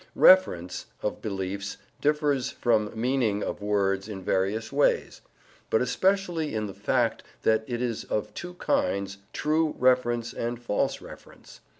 "Reference" of beliefs differs from "meaning" of words in various ways, but especially in the fact that it is of two kinds, "true" reference and "false" reference.